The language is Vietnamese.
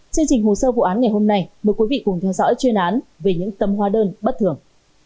chương trình hồ sơ vụ án ngày hôm nay mời quý vị cùng theo dõi chuyên án về những tấm hóa đơn bất thường